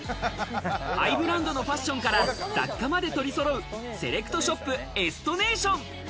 ハイブランドのファッションから雑貨まで取りそろう、セレクトショップ・ＥＳＴＮＡＴＩＯＮ。